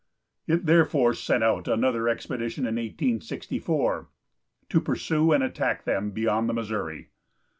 It therefore sent out another expedition in 1864, to pursue and attack them beyond the Missouri.